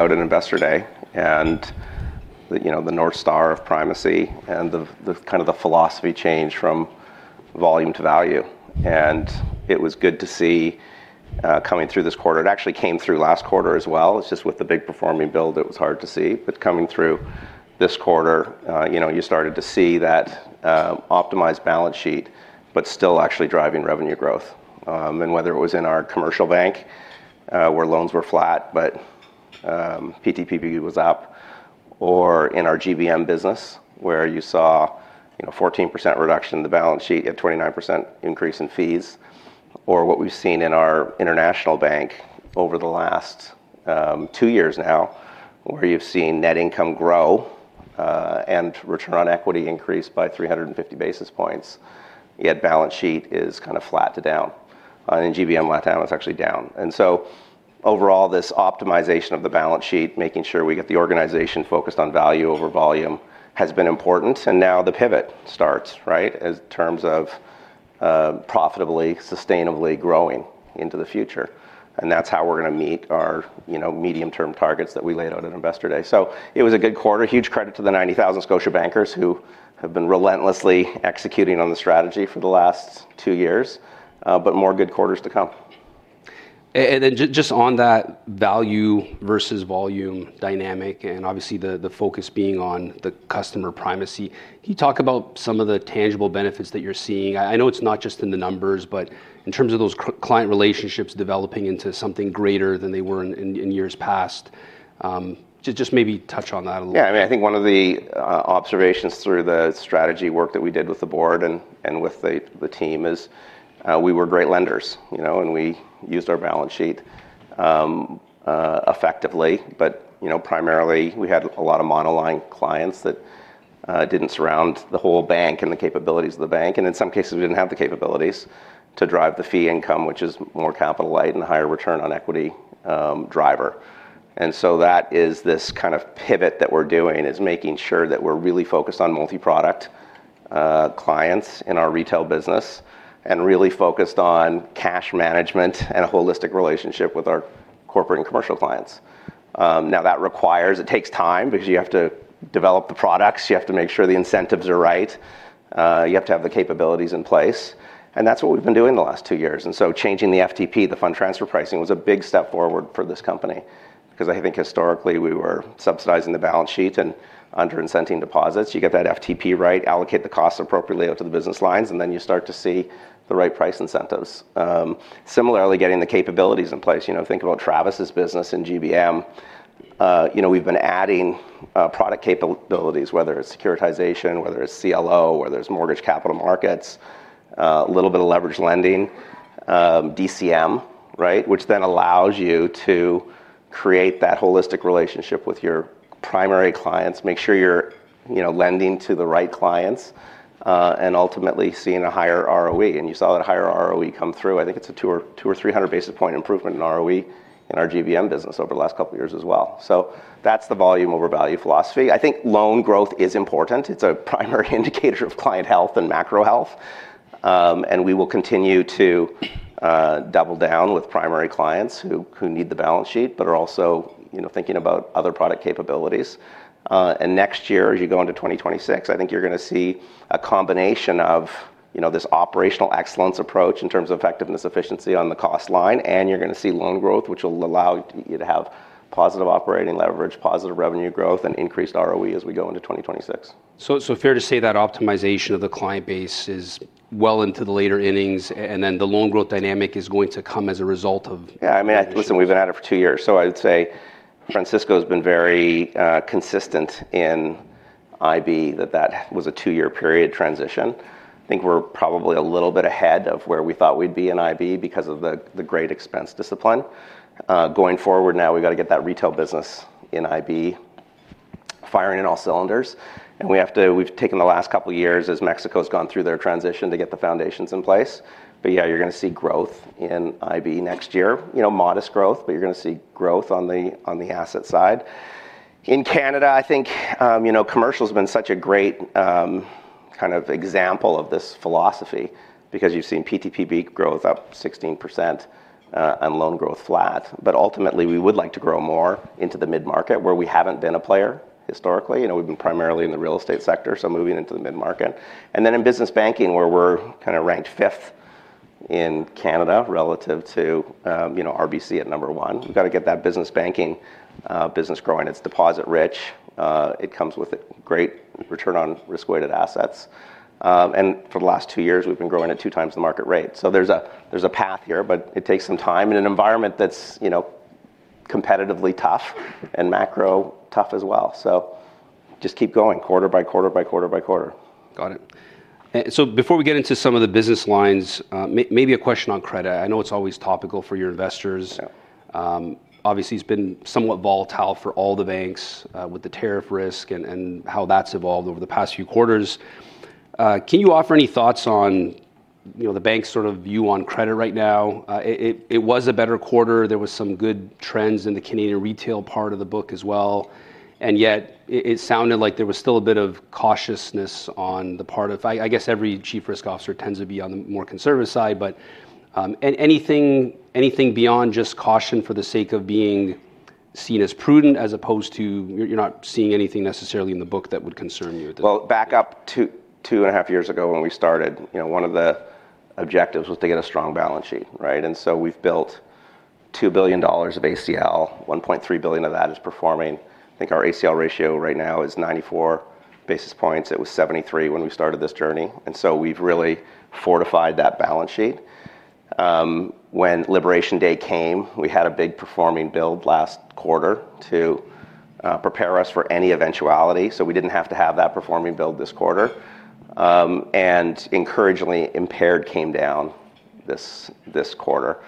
Started an investor day and that, you know, the north star of primacy and the kind of the philosophy change from volume to value. It was good to see, coming through this quarter. It actually came through last quarter as well. It's just with the big performing build, it was hard to see. Coming through this quarter, you know, you started to see that, optimized balance sheet, but still actually driving revenue growth. Whether it was in our commercial bank, where loans were flat, but PTPP was up, or in our GBM business where you saw, you know, 14% reduction in the balance sheet at a 29% increase in fees, or what we've seen in our International Banking over the last two years now, where you've seen net income grow, and return on equity increase by 350 basis points, yet balance sheet is kind of flat to down. In GBM, let down, it's actually down. Overall, this optimization of the balance sheet, making sure we get the organization focused on value over volume has been important. Now the pivot starts, right, in terms of profitably, sustainably growing into the future. That's how we're going to meet our, you know, medium-term targets that we laid out at investor day. It was a good quarter. Huge credit to the 90,000 Scotia bankers who have been relentlessly executing on the strategy for the last two years, but more good quarters to come. On that value versus volume dynamic, and obviously the focus being on the customer primacy, can you talk about some of the tangible benefits that you're seeing? I know it's not just in the numbers, but in terms of those client relationships developing into something greater than they were in years past, just maybe touch on that a little bit. Yeah, I mean, I think one of the observations through the strategy work that we did with the board and with the team is we were great lenders, you know, and we used our balance sheet effectively, but primarily we had a lot of monoline clients that didn't surround the whole bank and the capabilities of the bank. In some cases, we didn't have the capabilities to drive the fee income, which is more capital-light and a higher return on equity driver. That is this kind of pivot that we're doing, making sure that we're really focused on multi-product clients in our retail business and really focused on cash management and a holistic relationship with our corporate and commercial clients. That requires time because you have to develop the products, you have to make sure the incentives are right, you have to have the capabilities in place. That's what we've been doing the last two years. Changing the FTP, the fund transfer pricing, was a big step forward for this company because I think historically we were subsidizing the balance sheet and under-incenting deposits. You get that FTP right, allocate the costs appropriately out to the business lines, and then you start to see the right price incentives. Similarly, getting the capabilities in place, think about Travis's business in GBM. We've been adding product capabilities, whether it's securitization, whether it's CLO, whether it's mortgage capital markets, a little bit of leveraged lending, DCM, which then allows you to create that holistic relationship with your primary clients, make sure you're lending to the right clients, and ultimately seeing a higher ROE. You saw that higher ROE come through. I think it's a 200 or 300 basis point improvement in ROE, in our GBM business over the last couple of years as well. That's the volume over value philosophy. I think loan growth is important. It's a primary indicator of client health and macro health. We will continue to double down with primary clients who need the balance sheet, but are also thinking about other product capabilities. Next year, as you go into 2026, I think you're going to see a combination of this operational excellence approach in terms of effectiveness, efficiency on the cost line, and you're going to see loan growth, which will allow you to have positive operating leverage, positive revenue growth, and increased ROE as we go into 2026. It is fair to say that optimization of the client base is well into the later innings, and then the loan growth dynamic is going to come as a result of... Yeah, I mean, listen, we've been at it for two years. I'd say Francisco's been very consistent in IB that that was a two-year period transition. I think we're probably a little bit ahead of where we thought we'd be in IB because of the great expense discipline. Going forward now, we've got to get that retail business in IB firing in all cylinders. We've taken the last couple of years as Mexico's gone through their transition to get the foundations in place. You're going to see growth in IB next year, you know, modest growth, but you're going to see growth on the asset side. In Canada, I think commercial has been such a great kind of example of this philosophy because you've seen PTPB growth up 16% and loan growth flat. Ultimately, we would like to grow more into the mid-market where we haven't been a player historically. We've been primarily in the real estate sector, so moving into the mid-market. In business banking, where we're kind of ranked fifth in Canada relative to RBC at number one, we've got to get that business banking business growing. It's deposit-rich. It comes with great return on risk-weighted assets. For the last two years, we've been growing at two times the market rate. There's a path here, but it takes some time in an environment that's competitively tough and macro tough as well. Just keep going quarter by quarter by quarter by quarter. Got it. Before we get into some of the business lines, maybe a question on credit. I know it's always topical for your investors. Obviously, it's been somewhat volatile for all the banks with the tariff risk and how that's evolved over the past few quarters. Can you offer any thoughts on the bank's sort of view on credit right now? It was a better quarter. There were some good trends in the Canadian retail part of the book as well. Yet it sounded like there was still a bit of cautiousness on the part of, I guess, every Chief Risk Officer tends to be on the more conservative side. Anything beyond just caution for the sake of being seen as prudent as opposed to you're not seeing anything necessarily in the book that would concern you? Back up to two and a half years ago when we started, you know, one of the objectives was to get a strong balance sheet, right? We've built $2 billion of ACL. $1.3 billion of that is performing. I think our ACL ratio right now is 94 basis points. It was 73 when we started this journey. We've really fortified that balance sheet. When Liberation Day came, we had a big performing build last quarter to prepare us for any eventuality. We didn't have to have that performing build this quarter. Encouragingly, impaired came down this quarter.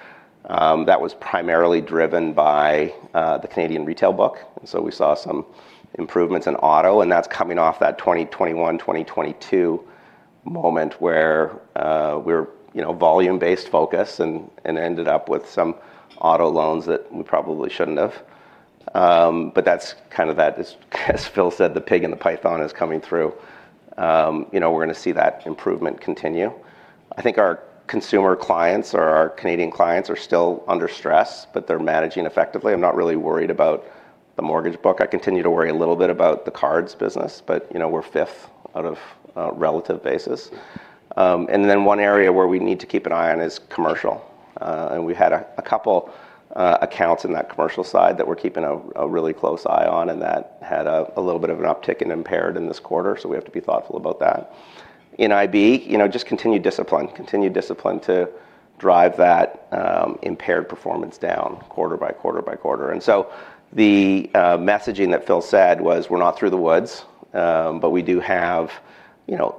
That was primarily driven by the Canadian retail book. We saw some improvements in auto, and that's coming off that 2021, 2022 moment where we were, you know, volume-based focus and ended up with some auto loans that we probably shouldn't have. That's kind of that, as Phil said, the pig in the python is coming through. We're going to see that improvement continue. I think our consumer clients or our Canadian clients are still under stress, but they're managing effectively. I'm not really worried about the mortgage book. I continue to worry a little bit about the cards business, but you know, we're fifth out of a relative basis. One area where we need to keep an eye on is commercial. We had a couple accounts in that commercial side that we're keeping a really close eye on, and that had a little bit of an uptick in impaired in this quarter. We have to be thoughtful about that. In IB, you know, just continue discipline, continue discipline to drive that impaired performance down quarter by quarter by quarter. The messaging that Phil said was we're not through the woods, but we do have, you know,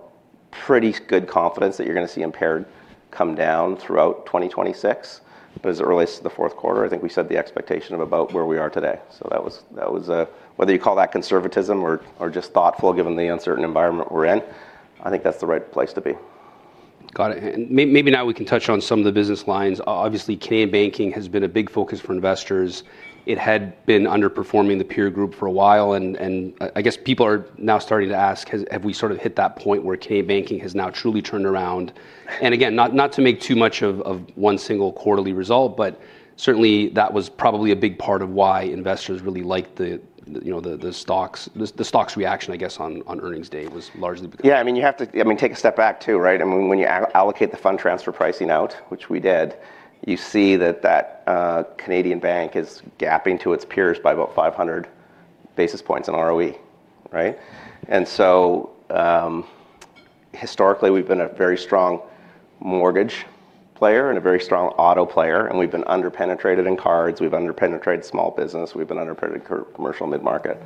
pretty good confidence that you're going to see impaired come down throughout 2026. As it relates to the fourth quarter, I think we set the expectation of about where we are today. That was, that was a, whether you call that conservatism or just thoughtful given the uncertain environment we're in, I think that's the right place to be. Got it. Maybe now we can touch on some of the business lines. Obviously, Canadian banking has been a big focus for investors. It had been underperforming the peer group for a while. I guess people are now starting to ask, have we sort of hit that point where Canadian banking has now truly turned around? Not to make too much of one single quarterly result, but certainly that was probably a big part of why investors really liked the stocks. The stock's reaction, I guess, on earnings day was largely. Yeah, I mean, you have to, I mean, take a step back too, right? I mean, when you allocate the fund transfer pricing out, which we did, you see that that Canadian bank is gapping to its peers by about 500 basis points in ROE, right? Historically, we've been a very strong mortgage player and a very strong auto player, and we've been underpenetrated in cards. We've underpenetrated small business. We've been underpenetrated in commercial mid-market.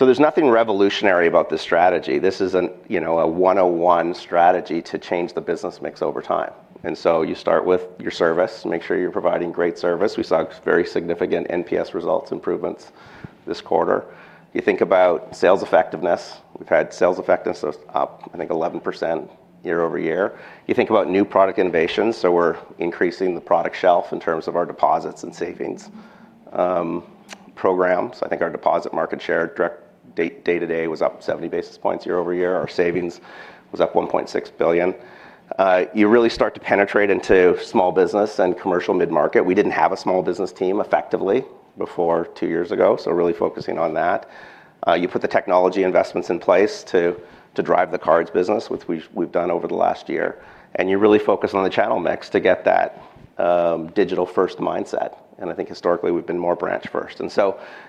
There's nothing revolutionary about this strategy. This is a, you know, a 101 strategy to change the business mix over time. You start with your service, make sure you're providing great service. We saw very significant NPS results, improvements this quarter. You think about sales effectiveness. We've had sales effectiveness up, I think, 11% year -over -year. You think about new product innovations. We're increasing the product shelf in terms of our deposits and savings programs. I think our deposit market share direct day-to-day was up 70 basis points year-over-year. Our savings was up $1.6 billion. You really start to penetrate into small business and commercial mid-market. We didn't have a small business team effectively before two years ago. Really focusing on that. You put the technology investments in place to drive the cards business, which we've done over the last year. You really focus on the channel mix to get that digital-first mindset. I think historically, we've been more branch-first.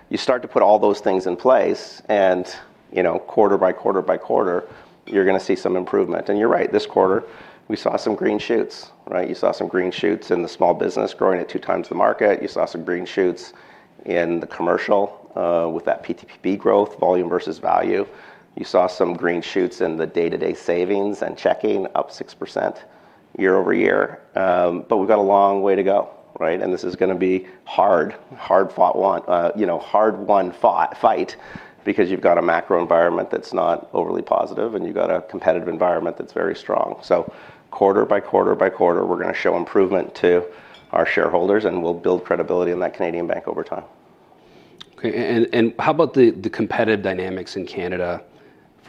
You start to put all those things in place. Quarter by quarter by quarter, you're going to see some improvement. You're right, this quarter, we saw some green shoots, right? You saw some green shoots in the small business growing at two times the market. You saw some green shoots in the commercial with that PTPP growth, volume versus value. You saw some green shoots in the day-to-day savings and checking up 6% year-over-year. We've got a long way to go, right? This is going to be hard, hard fought one, you know, hard won fight because you've got a macro environment that's not overly positive and you've got a competitive environment that's very strong. Quarter by quarter by quarter, we're going to show improvement to our shareholders and we'll build credibility in that Canadian bank over time. Okay. How about the competitive dynamics in Canada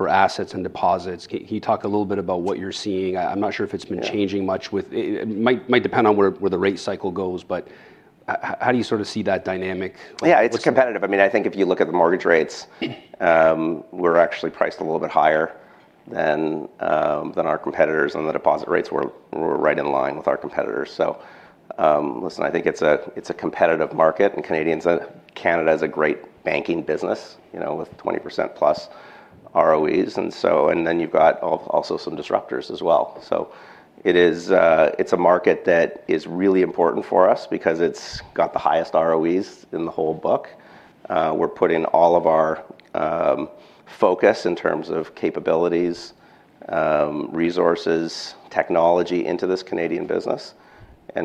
for assets and deposits? Can you talk a little bit about what you're seeing? I'm not sure if it's been changing much; it might depend on where the rate cycle goes, but how do you sort of see that dynamic? Yeah, it's competitive. I mean, I think if you look at the mortgage rates, we're actually priced a little bit higher than our competitors, and the deposit rates were right in line with our competitors. Listen, I think it's a competitive market, and Canada is a great banking business, you know, with 20%+ ROEs. You've got also some disruptors as well. It is a market that is really important for us because it's got the highest ROEs in the whole book. We're putting all of our focus in terms of capabilities, resources, technology into this Canadian business.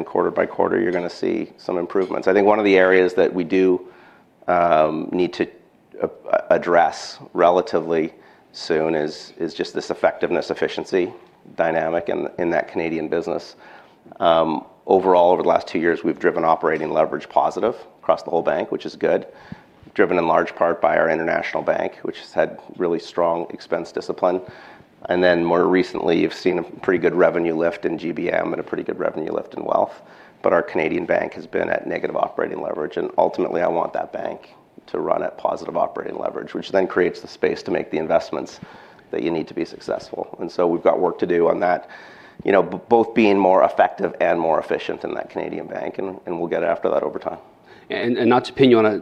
Quarter by quarter, you're going to see some improvements. I think one of the areas that we do need to address relatively soon is just this effectiveness, efficiency dynamic in that Canadian business. Overall, over the last two years, we've driven operating leverage positive across the whole bank, which is good, driven in large part by our International Bank, which has had really strong expense discipline. More recently, you've seen a pretty good revenue lift in GBM and a pretty good revenue lift in Wealth. Our Canadian bank has been at negative operating leverage. Ultimately, I want that bank to run at positive operating leverage, which then creates the space to make the investments that you need to be successful. We've got work to do on that, you know, both being more effective and more efficient in that Canadian bank. We'll get after that over time. Is there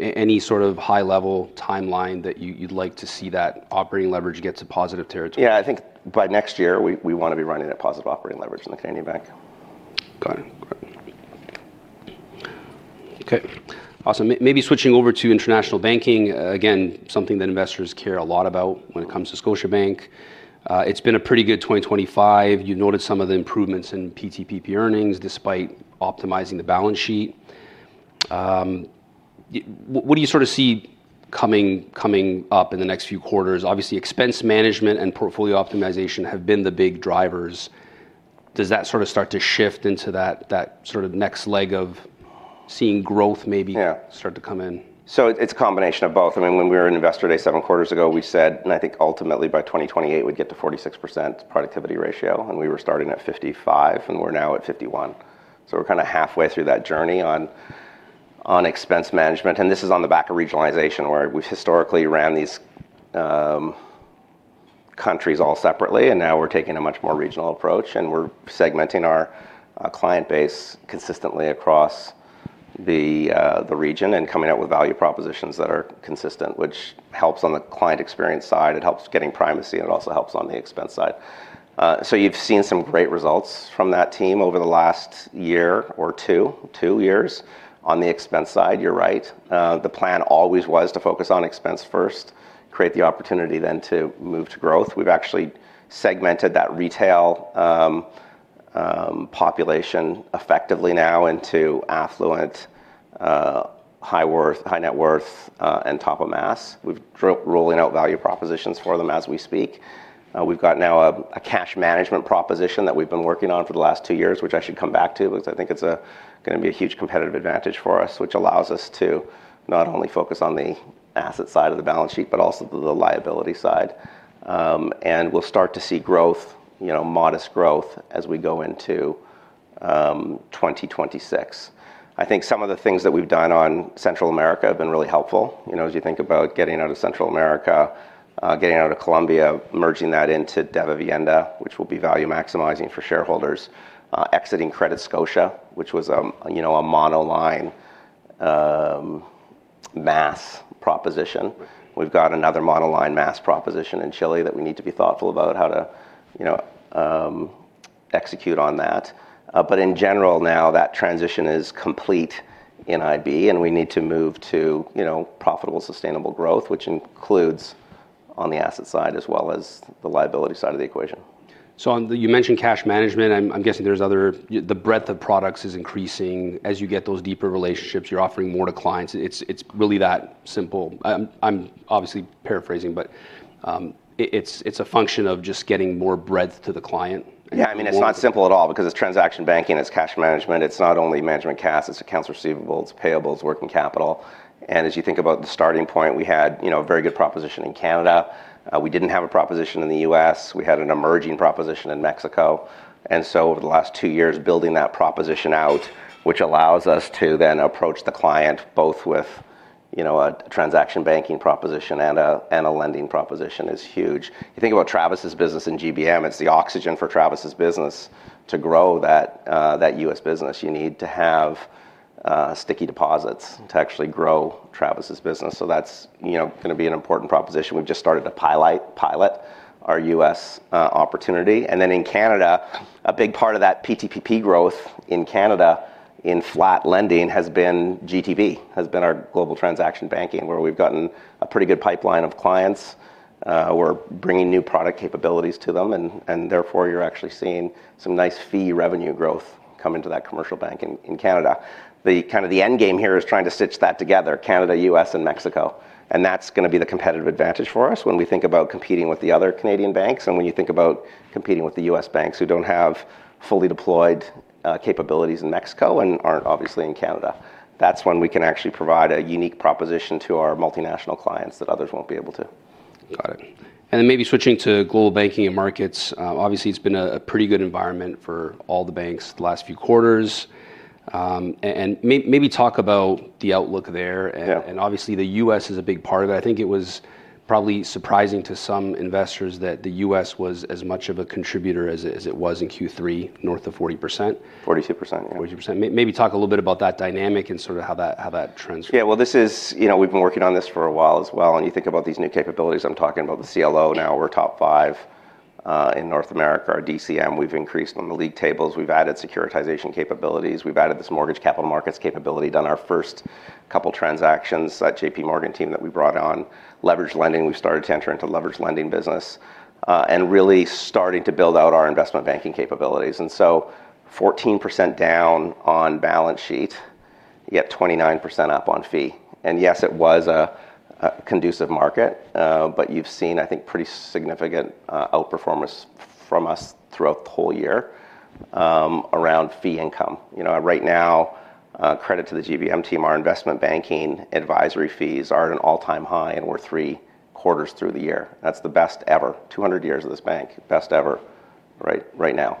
any sort of high-level timeline that you'd like to see that operating leverage get to positive territory? Yeah, I think by next year, we want to be running at positive operating leverage in the Canadian bank. Okay. Awesome. Maybe switching over to International Banking, again, something that investors care a lot about when it comes to Scotiabank. It's been a pretty good 2025. You noted some of the improvements in PTPP earnings despite optimizing the balance sheet. What do you sort of see coming up in the next few quarters? Obviously, expense management and portfolio optimization have been the big drivers. Does that sort of start to shift into that sort of next leg of seeing growth maybe start to come in? It is a combination of both. When we were at investor day seven quarters ago, we said, and I think ultimately by 2028, we'd get to a 46% productivity ratio, and we were starting at 55%, and we're now at 51%. We are kind of halfway through that journey on expense management. This is on the back of regionalization where we've historically run these countries all separately, and now we're taking a much more regional approach. We are segmenting our client base consistently across the region and coming up with value propositions that are consistent, which helps on the client experience side. It helps getting primacy, and it also helps on the expense side. You have seen some great results from that team over the last year or two on the expense side. You're right. The plan always was to focus on expense first, create the opportunity then to move to growth. We've actually segmented that retail population effectively now into affluent, high net worth, and top of mass. We're rolling out value propositions for them as we speak. We've got now a cash management proposition that we've been working on for the last two years, which I should come back to because I think it's going to be a huge competitive advantage for us, which allows us to not only focus on the asset side of the balance sheet, but also the liability side. We will start to see growth, modest growth as we go into 2026. I think some of the things that we've done on Central America have been really helpful. As you think about getting out of Central America, getting out of Colombia, merging that into Davivienda, which will be value maximizing for shareholders, exiting Credit Scotia, which was a monoline mass proposition. We've got another monoline mass proposition in Chile that we need to be thoughtful about how to execute on that. In general, now that transition is complete in IB, we need to move to profitable, sustainable growth, which includes on the asset side as well as the liability side of the equation. You mentioned cash management. I'm guessing there's other, the breadth of products is increasing. As you get those deeper relationships, you're offering more to clients. It's really that simple. I'm obviously paraphrasing, but it's a function of just getting more breadth to the client. Yeah, I mean, it's not simple at all because it's transaction banking, it's cash management, it's not only managing cash, it's accounts receivable, it's payable, it's working capital. As you think about the starting point, we had a very good proposition in Canada. We didn't have a proposition in the U.S. We had an emerging proposition in Mexico. Over the last two years, building that proposition out, which allows us to then approach the client both with a transaction banking proposition and a lending proposition, is huge. You think about Travis's business in GBM, it's the oxygen for Travis's business to grow that U.S. business. You need to have sticky deposits to actually grow Travis's business. That's going to be an important proposition. We've just started to pilot our U.S. opportunity. In Canada, a big part of that PTPP growth in Canada in flat lending has been GTV, has been our global transaction banking where we've gotten a pretty good pipeline of clients. We're bringing new product capabilities to them, and therefore, you're actually seeing some nice fee revenue growth come into that commercial bank in Canada. The end game here is trying to stitch that together, Canada, U.S., and Mexico. That's going to be the competitive advantage for us when we think about competing with the other Canadian banks. When you think about competing with the U.S. banks who don't have fully deployed capabilities in Mexico and aren't obviously in Canada, that's when we can actually provide a unique proposition to our multinational clients that others won't be able to. Got it. Maybe switching to Global Banking and Markets, obviously it's been a pretty good environment for all the banks the last few quarters. Maybe talk about the outlook there. Obviously the U.S. is a big part of it. I think it was probably surprising to some investors that the U.S. was as much of a contributor as it was in Q3, north of 40%. 42%. 42%. Maybe talk a little bit about that dynamic and sort of how that transfers. Yeah, this is, you know, we've been working on this for a while as well. You think about these new capabilities. I'm talking about the CLO. Now we're top five in North America. Our DCM, we've increased on the league tables. We've added securitization capabilities. We've added this mortgage capital markets capability. Done our first couple of transactions, that JP Morgan team that we brought on. Leveraged lending, we've started to enter into leveraged lending business and really started to build out our investment banking capabilities. 14% down on balance sheet, yet 29% up on fee. Yes, it was a conducive market, but you've seen, I think, pretty significant outperformance from us throughout the whole year around fee income. Right now, credit to the GBM team, our investment banking advisory fees are at an all-time high and we're three quarters through the year. That's the best ever, 200 years of this bank, best ever right now.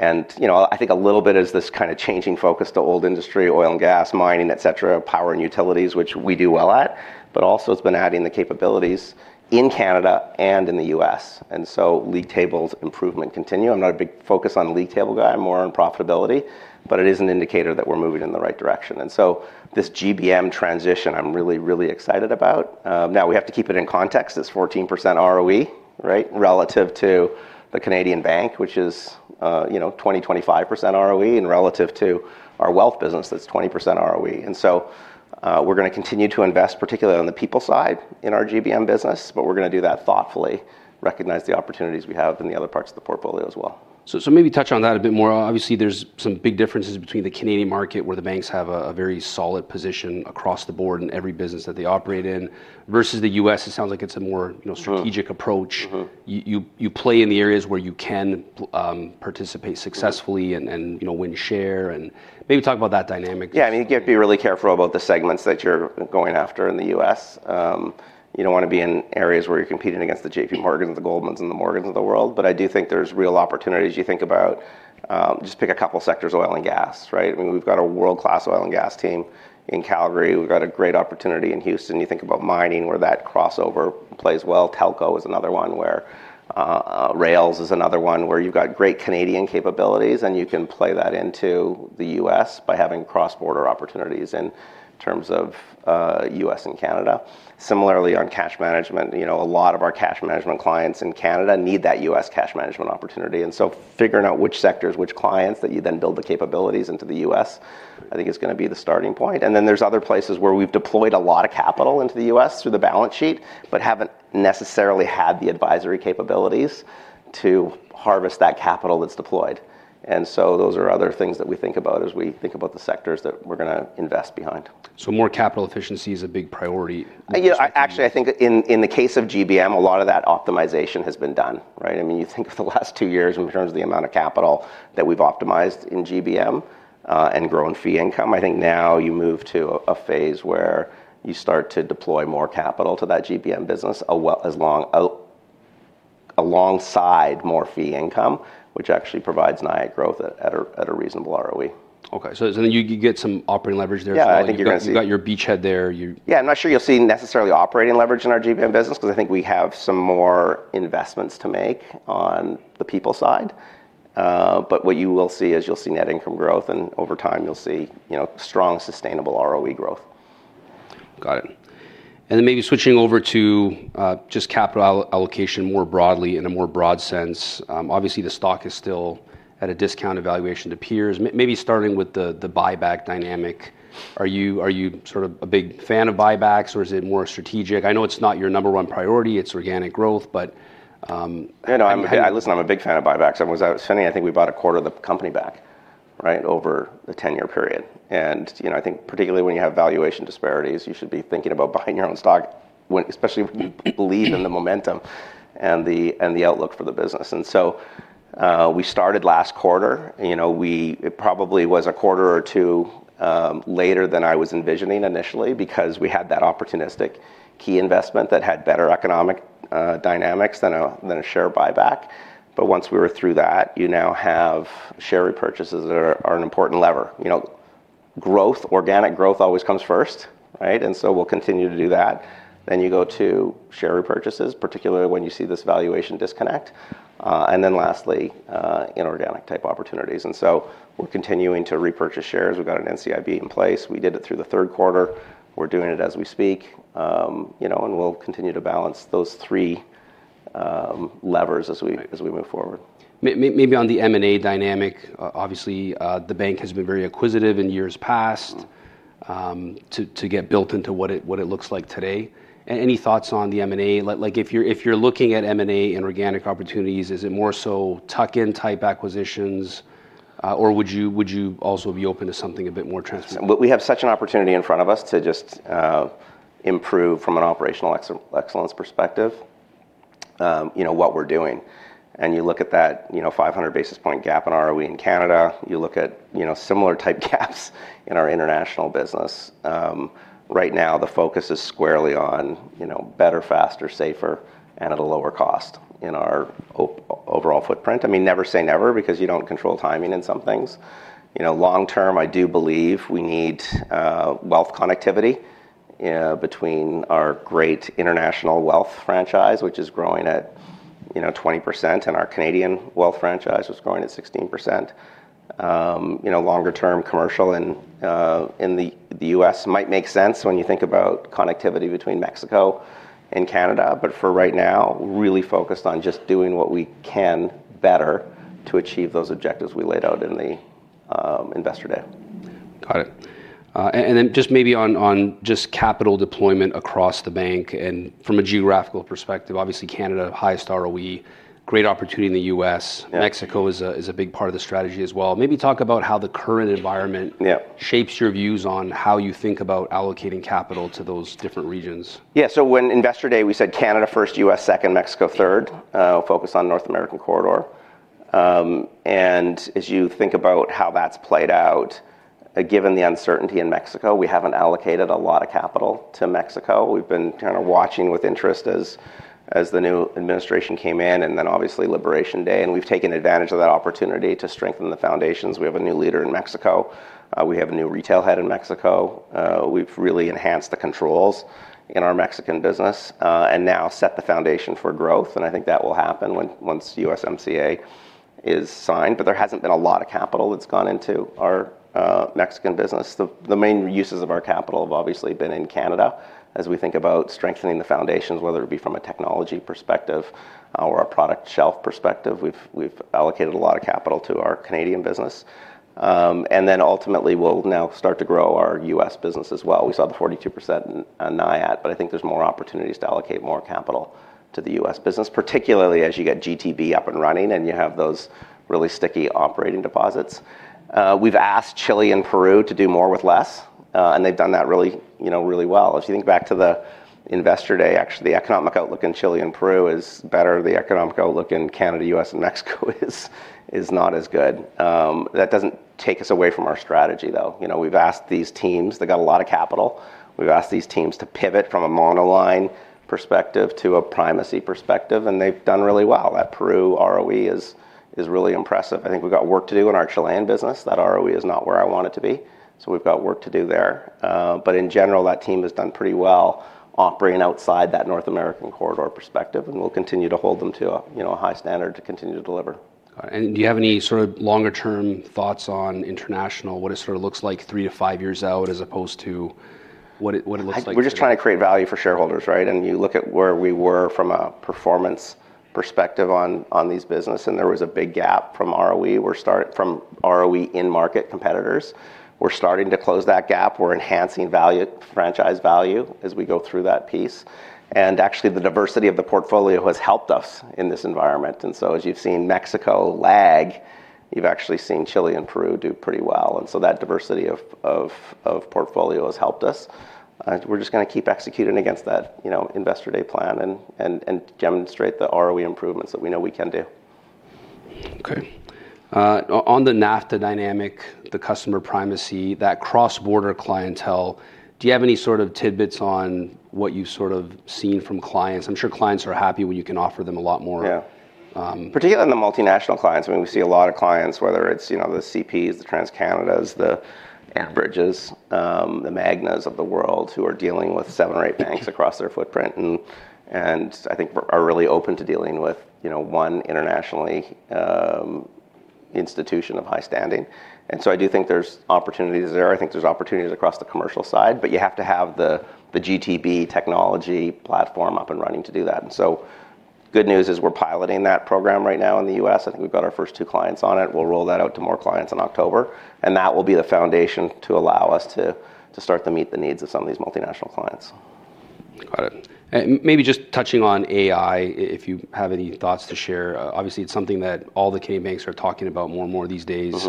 I think a little bit is this kind of changing focus to old industry, oil and gas, mining, et cetera, power and utilities, which we do well at, but also it's been adding the capabilities in Canada and in the U.S. League tables improvement continue. I'm not a big focus on league table guy, I'm more on profitability, but it is an indicator that we're moving in the right direction. This GBM transition I'm really, really excited about. Now we have to keep it in context, it's 14% ROE, right, relative to the Canadian bank, which is, you know, 20%, 25% ROE and relative to our wealth business, that's 20% ROE. We're going to continue to invest particularly on the people side in our GBM business, but we're going to do that thoughtfully, recognize the opportunities we have in the other parts of the portfolio as well. Maybe touch on that a bit more. Obviously, there's some big differences between the Canadian market where the banks have a very solid position across the board in every business that they operate in versus the U.S. It sounds like it's a more strategic approach. You play in the areas where you can participate successfully and win share and maybe talk about that dynamic. Yeah, I mean, you have to be really careful about the segments that you're going after in the U.S. You don't want to be in areas where you're competing against the JP Morgans, the Goldmans, and the Morgans of the world. I do think there's real opportunities. You think about, just pick a couple of sectors, oil and gas, right? I mean, we've got a world-class oil and gas team in Calgary. We've got a great opportunity in Houston. You think about mining where that crossover plays well. Telco is another one where, rails is another one where you've got great Canadian capabilities, and you can play that into the U.S. by having cross-border opportunities in terms of U.S. and Canada. Similarly, on cash management, a lot of our cash management clients in Canada need that U.S. cash management opportunity. Figuring out which sectors, which clients that you then build the capabilities into the U.S., I think is going to be the starting point. There are other places where we've deployed a lot of capital into the U.S. through the balance sheet, but haven't necessarily had the advisory capabilities to harvest that capital that's deployed. Those are other things that we think about as we think about the sectors that we're going to invest behind. Capital efficiency is a big priority. Yeah, actually, I think in the case of GBM, a lot of that optimization has been done, right? I mean, you think of the last two years in terms of the amount of capital that we've optimized in GBM and grown fee income. I think now you move to a phase where you start to deploy more capital to that GBM business alongside more fee income, which actually provides NIA growth at a reasonable ROE. Okay, so you get some operating leverage there. Yeah, I think you're good. You've got your beachhead there. Yeah, I'm not sure you'll see necessarily operating leverage in our GBM business because I think we have some more investments to make on the people side. What you will see is you'll see net income growth and over time you'll see, you know, strong sustainable ROE growth. Got it. Maybe switching over to just capital allocation more broadly in a more broad sense. Obviously, the stock is still at a discounted valuation to peers. Maybe starting with the buyback dynamic. Are you sort of a big fan of buybacks or is it more strategic? I know it's not your number one priority, it's organic growth. Yeah, no, listen, I'm a big fan of buybacks. I mean, it was funny, I think we bought a quarter of the company back, right, over the 10-year period. I think particularly when you have valuation disparities, you should be thinking about buying your own stock, especially if you believe in the momentum and the outlook for the business. We started last quarter. It probably was a quarter or two later than I was envisioning initially because we had that opportunistic key investment that had better economic dynamics than a share buyback. Once we were through that, you now have share repurchases that are an important lever. Growth, organic growth always comes first, right? We'll continue to do that. You go to share repurchases, particularly when you see this valuation disconnect. Lastly, inorganic type opportunities. We're continuing to repurchase shares. We've got an NCIB in place. We did it through the third quarter. We're doing it as we speak, and we'll continue to balance those three levers as we move forward. Maybe on the M&A dynamic, obviously, the bank has been very acquisitive in years past to get built into what it looks like today. Any thoughts on the M&A? If you're looking at M&A and organic opportunities, is it more so tuck-in type acquisitions or would you also be open to something a bit more transparent? We have such an opportunity in front of us to just improve from an operational excellence perspective, you know, what we're doing. You look at that 500 basis point gap in our ROE in Canada. You look at similar type gaps in our international business. Right now, the focus is squarely on better, faster, safer, and at a lower cost in our overall footprint. I mean, never say never because you don't control timing in some things. Long term, I do believe we need wealth connectivity between our great international wealth franchise, which is growing at 20%, and our Canadian wealth franchise, which is growing at 16%. Longer term commercial in the U.S. might make sense when you think about connectivity between Mexico and Canada, but for right now, really focused on just doing what we can better to achieve those objectives we laid out in the investor day. Got it. Maybe on just capital deployment across the bank and from a geographical perspective, obviously Canada, highest ROE, great opportunity in the U.S. Mexico is a big part of the strategy as well. Maybe talk about how the current environment shapes your views on how you think about allocating capital to those different regions. Yeah, so when investor day, we said Canada first, U.S. second, Mexico third, focused on North American corridor. As you think about how that's played out, given the uncertainty in Mexico, we haven't allocated a lot of capital to Mexico. We've been kind of watching with interest as the new administration came in and then obviously Liberation Day. We've taken advantage of that opportunity to strengthen the foundations. We have a new leader in Mexico. We have a new retail head in Mexico. We've really enhanced the controls in our Mexican business and now set the foundation for growth. I think that will happen once USMCA is signed. There hasn't been a lot of capital that's gone into our Mexican business. The main uses of our capital have obviously been in Canada. As we think about strengthening the foundations, whether it be from a technology perspective or a product shelf perspective, we've allocated a lot of capital to our Canadian business. Ultimately, we'll now start to grow our U.S. business as well. We saw the 42% on NIAT, but I think there's more opportunities to allocate more capital to the U.S. business, particularly as you get GTB up and running and you have those really sticky operating deposits. We've asked Chile and Peru to do more with less, and they've done that really, you know, really well. If you think back to the investor day, actually, the economic outlook in Chile and Peru is better. The economic outlook in Canada, U.S., and Mexico is not as good. That doesn't take us away from our strategy, though. We've asked these teams, they've got a lot of capital. We've asked these teams to pivot from a monoline perspective to a primacy perspective, and they've done really well. That Peru ROE is really impressive. I think we've got work to do in our Chilean business. That ROE is not where I want it to be. We've got work to do there. In general, that team has done pretty well operating outside that North American corridor perspective, and we'll continue to hold them to a high standard to continue to deliver. Do you have any sort of longer-term thoughts on International, what it sort of looks like three to five years out as opposed to what it looks like? We're just trying to create value for shareholders, right? You look at where we were from a performance perspective on these businesses, and there was a big gap from ROE, from ROE in-market competitors. We're starting to close that gap. We're enhancing value, franchise value as we go through that piece. Actually, the diversity of the portfolio has helped us in this environment. As you've seen Mexico lag, you've actually seen Chile and Peru do pretty well. That diversity of portfolio has helped us. We're just going to keep executing against that investor day plan and demonstrate the ROE improvements that we know we can do. Okay. On the NAFTA dynamic, the customer primacy, that cross-border clientele, do you have any sort of tidbits on what you've sort of seen from clients? I'm sure clients are happy when you can offer them a lot more. Yeah, particularly in the multinational clients. I mean, we see a lot of clients, whether it's, you know, the CPs, the TransCanadas, the Bridges, the Magnus of the world who are dealing with seven or eight banks across their footprint. I think they are really open to dealing with, you know, one international institution of high standing. I do think there's opportunities there. I think there's opportunities across the commercial side, but you have to have the GTB technology platform up and running to do that. The good news is we're piloting that program right now in the U.S. I think we've got our first two clients on it. We'll roll that out to more clients in October, and that will be the foundation to allow us to start to meet the needs of some of these multinational clients. Got it. Maybe just touching on artificial intelligence, if you have any thoughts to share. Obviously, it's something that all the Canadian banks are talking about more and more these days.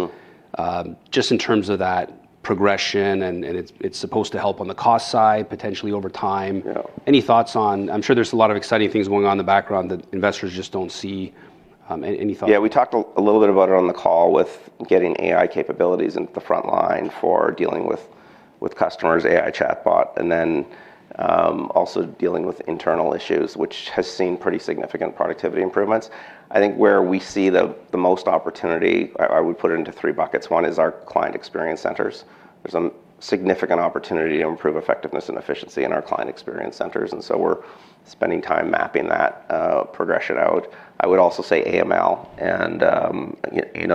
Just in terms of that progression, it's supposed to help on the cost side potentially over time. Any thoughts on, I'm sure there's a lot of exciting things going on in the background that investors just don't see. Any thoughts? Yeah, we talked a little bit about it on the call with getting artificial intelligence capabilities into the front line for dealing with customers, artificial intelligence chatbot, and then also dealing with internal issues, which has seen pretty significant productivity improvements. I think where we see the most opportunity are we put into three buckets. One is our client experience centers. There's a significant opportunity to improve effectiveness and efficiency in our client experience centers, and we're spending time mapping that progression out. I would also say AML.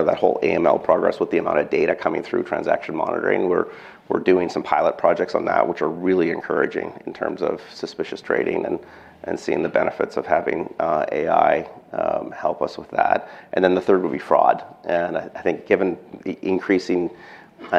That whole AML progress with the amount of data coming through transaction monitoring, we're doing some pilot projects on that, which are really encouraging in terms of suspicious trading and seeing the benefits of having artificial intelligence help us with that. The third would be fraud. I think given the increasing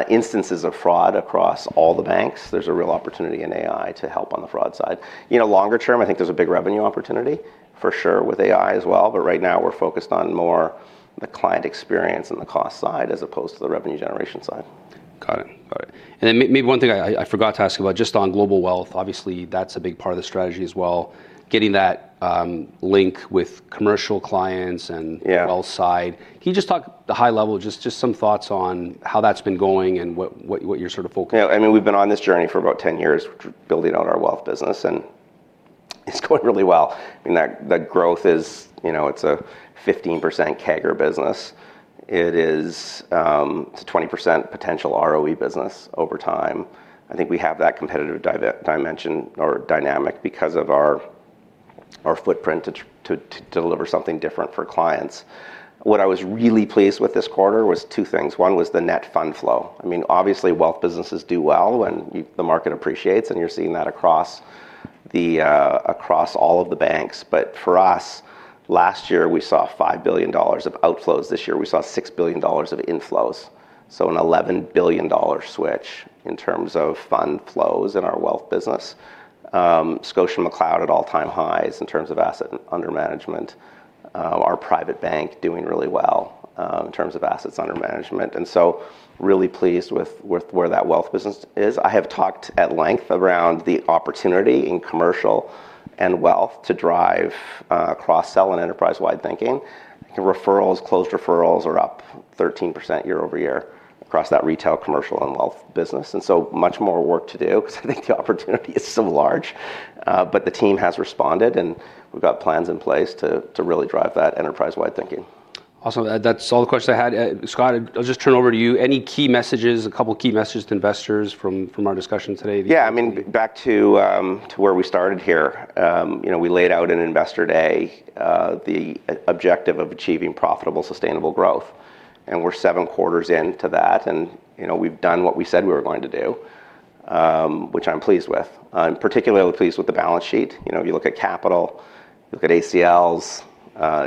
instances of fraud across all the banks, there's a real opportunity in artificial intelligence to help on the fraud side. Longer term, I think there's a big revenue opportunity for sure with artificial intelligence as well. Right now, we're focused on more the client experience and the cost side as opposed to the revenue generation side. Got it. Maybe one thing I forgot to ask about just on global wealth. Obviously, that's a big part of the strategy as well, getting that link with commercial clients and wealth side. Can you just talk at the high level, just some thoughts on how that's been going and what you're sort of focused on? Yeah, I mean, we've been on this journey for about 10 years, building out our wealth business, and it's going really well. I mean, that growth is, you know, it's a 15% CAGR business. It is a 20% potential ROE business over time. I think we have that competitive dimension or dynamic because of our footprint to deliver something different for clients. What I was really pleased with this quarter was two things. One was the net fund flow. Obviously, wealth businesses do well when the market appreciates, and you're seeing that across all of the banks. For us, last year, we saw $5 billion of outflows. This year, we saw $6 billion of inflows. An $11 billion switch in terms of fund flows in our wealth business. ScotiaMcLeod at all-time highs in terms of assets under management. Our private bank doing really well in terms of assets under management. Really pleased with where that wealth business is. I have talked at length around the opportunity in commercial and wealth to drive cross-sell and enterprise-wide thinking. Referrals, closed referrals are up 13% year-over-year across that retail, commercial, and wealth business. There is much more work to do because I think the opportunity is so large. The team has responded, and we've got plans in place to really drive that enterprise-wide thinking. Awesome. That's all the questions I had. Scott, I'll just turn over to you. Any key messages, a couple of key messages to investors from our discussion today? Yeah, I mean, back to where we started here. You know, we laid out an investor day, the objective of achieving profitable, sustainable growth. We're seven quarters into that. You know, we've done what we said we were going to do, which I'm pleased with. I'm particularly pleased with the balance sheet. You look at capital, you look at ACLs,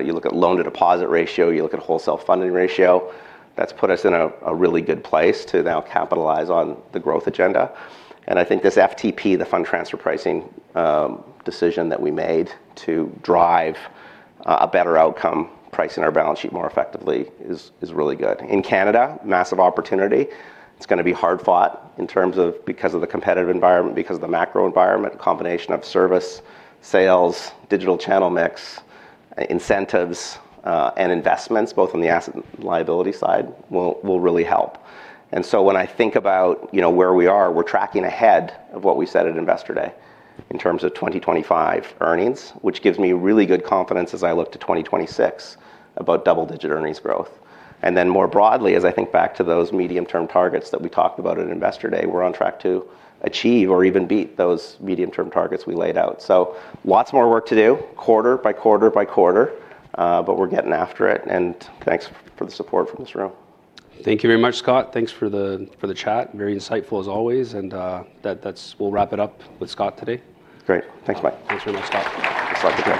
you look at loan-to-deposit ratio, you look at wholesale funding ratio. That's put us in a really good place to now capitalize on the growth agenda. I think this FTP, the fund transfer pricing decision that we made to drive a better outcome, pricing our balance sheet more effectively is really good. In Canada, massive opportunity. It's going to be hard fought in terms of because of the competitive environment, because of the macro environment, the combination of service, sales, digital channel mix, incentives, and investments, both on the asset and liability side, will really help. When I think about where we are, we're tracking ahead of what we said at investor day in terms of 2025 earnings, which gives me really good confidence as I look to 2026 about double-digit earnings growth. More broadly, as I think back to those medium-term targets that we talked about at investor day, we're on track to achieve or even beat those medium-term targets we laid out. Lots more work to do quarter by quarter by quarter, but we're getting after it. Thanks for the support from this room. Thank you very much, Scott. Thanks for the chat. Very insightful as always. We'll wrap it up with Scott today. Great. Thanks, Mike. Thanks, Scott. Nice talking to you.